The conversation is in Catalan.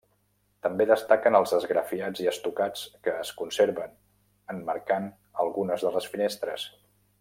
També destaquen els esgrafiats i estucats que es conserven, emmarcant algunes de les finestres.